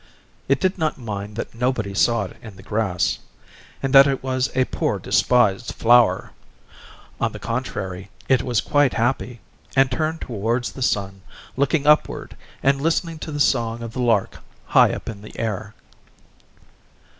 It did not mind that nobody saw it in the grass, and that it was a poor despised flower; on the contrary, it was quite happy, and turned towards the sun, looking upward and listening to the song of the lark high up in the air.